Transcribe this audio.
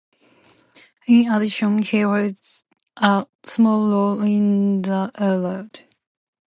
In addition, he has a small role in The "Iliad".